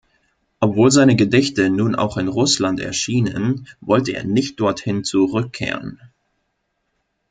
Obwohl seine Gedichte nun auch in Russland erschienen, wollte er nicht dorthin zurückkehren.